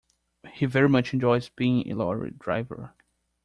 He very much enjoys being a lorry driver